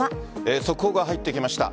速報が入ってきました。